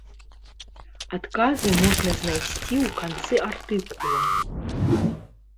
Адказы можна знайсці ў канцы артыкула.